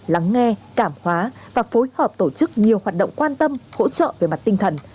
lắng nghe cảm hóa và phối hợp tổ chức nhiều hoạt động quan tâm hỗ trợ về mặt tinh thần